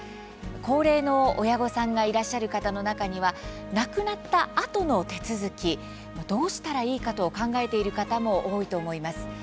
高齢の親御さんがいらっしゃる方の中には亡くなったあとの手続きどうしたらいいかと考えている方も多いと思います。